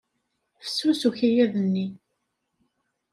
Fessus ukayad-nni.